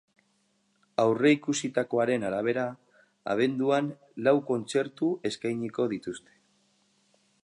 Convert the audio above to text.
Aurreikusitakoaren arabera, abenduan lau kontzertu eskainiko dituzte.